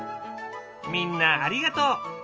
みんなありがとう！